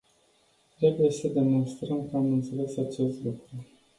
Trebuie să demonstrăm că am înțeles acest lucru.